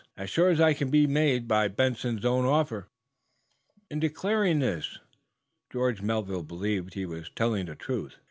"As sure as I can be made by Benson's own offer." In declaring this George Melville believed he was telling the truth.